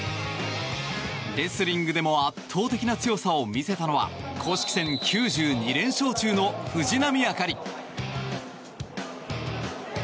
レスリングでも圧倒的な強さを見せたのは公式戦９２連勝中の藤波朱理。